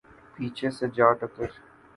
پیچھے سے جا ٹکر